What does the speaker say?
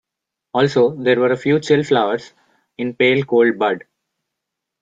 Also, there were a few chill flowers, in pale cold bud.